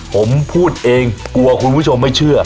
ผมพูดเองกลัวคุณผู้ชมไม่เชื่อ